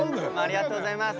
ありがとうございます。